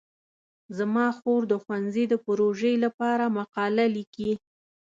زما خور د ښوونځي د پروژې لپاره مقاله لیکي.